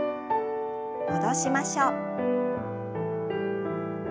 戻しましょう。